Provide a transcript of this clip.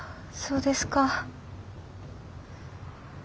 そうですか。